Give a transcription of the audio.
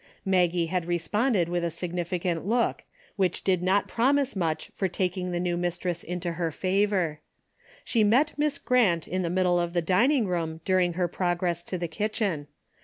Maggie had responded with a signifi DAILY RATEy 135 cant look, which did not promise much for taking the new mistress into her favor. She met Miss Grant in the middle of the dining room during her progress to the kitchen.